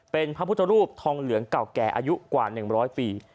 เป็นพระพุทธรูปทองเหลืองเก่าแก่อายุกว่า๑๐๐ปี